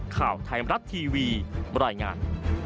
ข่าวไทยรับทีวีบร่อยงาน